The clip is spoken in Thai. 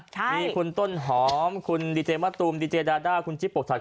มีคุณต้นหอมคุณดีเจมะตูมดีเจดาด้าคุณจิ๊บปกศักด